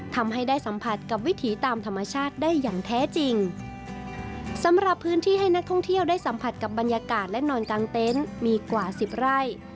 ทำให้ได้สัมผัสกับวิถีตามธรรมชาติได้อย่างแท้จริงสำหรับพื้นที่ให้นักท่องเที่ยวได้สัมผัสกับบรรยากาศและนอนกลางเต็นต์มีกว่าสิบไร่